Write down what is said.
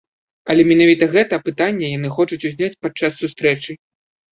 Але менавіта гэта пытанне яны хочуць узняць падчас сустрэчы.